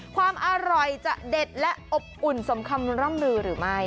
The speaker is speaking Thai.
ความอร่อยจะเด็ดและอบอุ่นสมคำร่ำลือหรือไม่